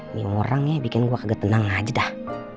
ini orangnya bikin gua kagak tenang aja dah